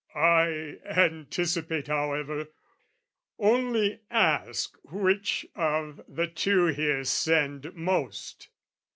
I anticipate however only ask, Which of the two here sinned most?